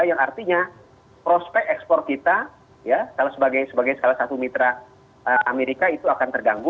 yang artinya prospek ekspor kita ya kalau sebagai salah satu mitra amerika itu akan terganggu